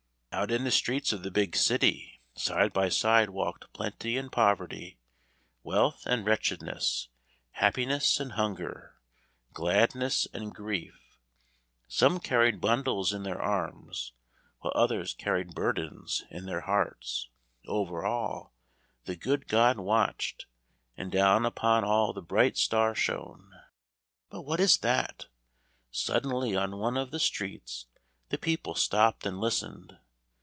Out in the streets of the big city, side by side walked plenty and poverty, wealth and wretchedness, happiness and hunger, gladness and grief. Some carried bundles in their arms, while others carried burdens in their hearts. Over all, the good God watched, and down upon all the bright star shone. But what is that? Suddenly on one of the streets the people stopped and listened.